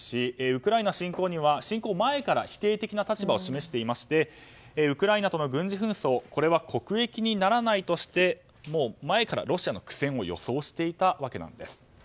ウクライナ侵攻には侵攻前から否定的な立場を示していましてウクライナとの軍事紛争これは国益にならないとして前からロシアの苦戦を予想していたわけなんです。